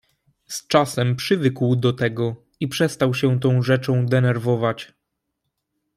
"Z czasem przywykł do tego i przestał się tą rzeczą denerwować."